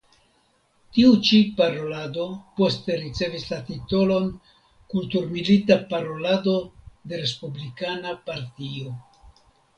Tiu ĉi parolado poste ricevis la titolon "Kulturmilita Parolado de Respublikana Partio".